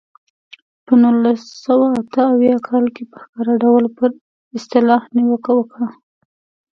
په نولس سوه اته اویا کال کې په ښکاره ډول پر اصطلاح نیوکه وکړه.